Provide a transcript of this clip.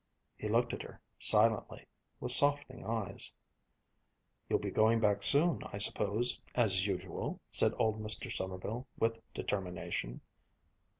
He looked at her silently, with softening eyes. "You'll be going back soon, I suppose, as usual!" said old Mr. Sommerville with determination.